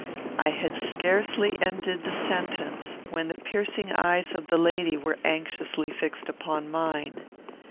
I had scarcely ended the sentence, when the piercing eyes of the lady were anxiously fixed upon mine.